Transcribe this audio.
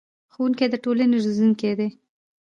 ښوونکي د ټولنې روزونکي دي